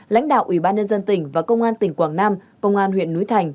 lãnh đạo ủy ban nhân dân tỉnh và công an tỉnh quảng nam công an huyện núi thành